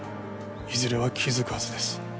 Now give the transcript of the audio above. いずれは気づくはずです